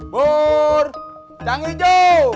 bur cang ijo